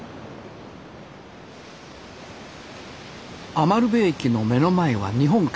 餘部駅の目の前は日本海。